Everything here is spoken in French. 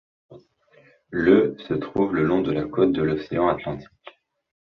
Le se trouve le long de la côte de l'océan Atlantique.